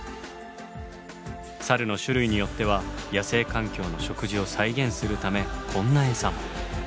サルの種類によっては野生環境の食事を再現するためこんなエサも。